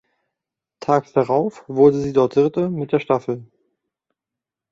Tags darauf wurde sie dort Dritte mit der Staffel.